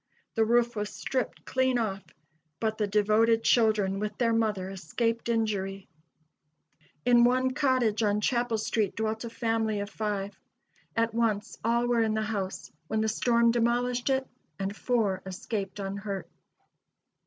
The roof was stripped clean off, but the devoted children with their mother escaped injury. In one cottage on Chapel street dwelt a family of five. At once all were in the house, when the storm demolished it, and four escaped unhurt.